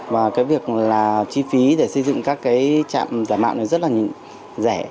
và cái việc là chi phí để xây dựng các trạng giả mạo này rất là rẻ